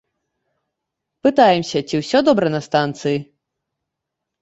Пытаемся, ці ўсё добра на станцыі.